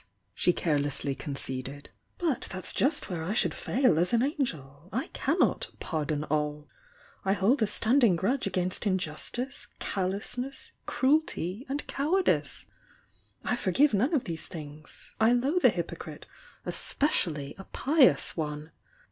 she carelessly conceded. "But that's just where I should fail as an angel! I cannot 'pardon all.' I hold a standing grudge against injus tice, callousness, cruelty and cowardice. I forgive none of these things. I loathe a hypocrite ^spe ciaUy a pious one!